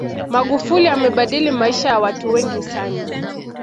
magufuli amebadili maisha ya watu wengi sana